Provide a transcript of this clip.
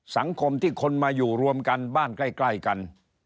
สังคมที่คนมาอยู่รวมกันบ้านใกล้กัน